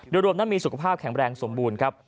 โดยรวมนั้นมีสุขภาพแข็งแรงสมบูรณ์ครับ